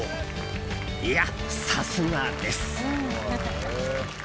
いや、さすがです。